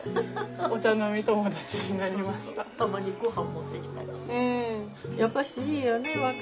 たまにごはん持ってきたりして。